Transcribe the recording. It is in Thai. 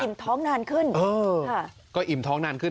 ท้องนานขึ้นเออค่ะก็อิ่มท้องนานขึ้น